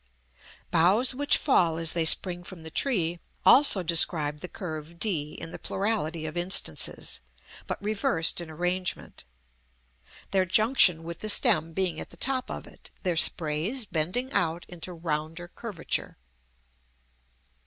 Boughs which fall as they spring from the tree also describe the curve d in the plurality of instances, but reversed in arrangement; their junction with the stem being at the top of it, their sprays bending out into rounder curvature.